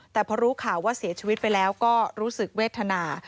แต่พอรู้ข่าวว่าเสียชีวิตไปแล้วก็รู้สึกเวทนา